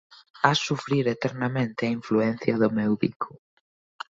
Has sufrir eternamente a influencia do meu bico.